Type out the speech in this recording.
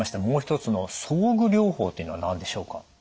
もう一つの装具療法というのは何でしょうか？